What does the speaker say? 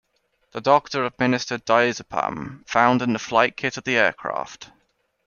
A doctor administered diazepam found in the flight kit of the aircraft.